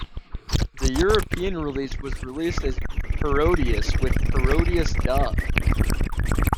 The European release was released as "Parodius", with "Parodius Da!